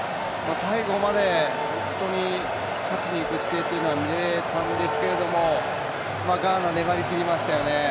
最後まで本当に勝ちにいく姿勢っていうのは見られたんですけれどもガーナ、粘りきりましたね。